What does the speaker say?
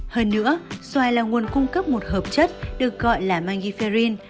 hơn nữa xoài là nguồn cung cấp một hợp chất được gọi là magiferin